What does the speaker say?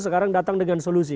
sekarang datang dengan solusi